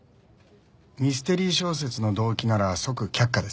ミステリ小説の動機なら即却下です。